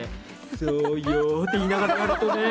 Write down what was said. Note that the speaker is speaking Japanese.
そうよって言いながらやるとね。